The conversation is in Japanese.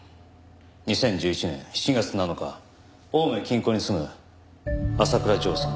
２０１１年７月７日青梅近郊に住む浅倉譲さん